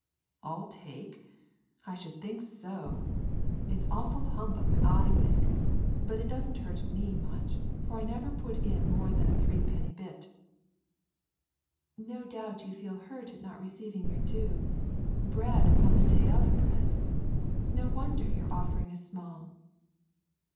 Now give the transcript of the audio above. " All take ? I should think so. It'a awful humbug JT think ; but it doesn't hurt me much, for I never put B than a threepenny bit." " No doubt you feel hurt at not receiving your due : I bread upon the Day of Bread. No wonder your goffering is small."